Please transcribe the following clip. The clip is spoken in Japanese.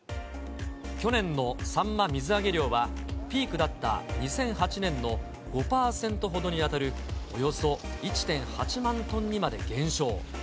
去年のサンマ水揚げ量は、ピークだった２００８年の５％ほどに当たるおよそ１．８万トンにまで減少。